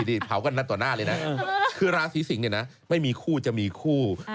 นี่เผากันนัดต่อหน้าเลยนะคือราศีสิงศ์เนี่ยนะไม่มีคู่จะมีคู่